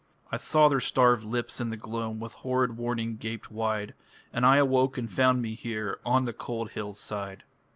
I saw their starved lips in the gloam, With horrid warning gaped wide; And I awoke and found me here On the cold hill's side.